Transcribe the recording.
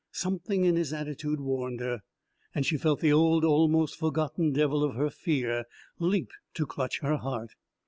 Something in his attitude warned her, and she felt the old almost forgotten devil of her fear leap to clutch her heart.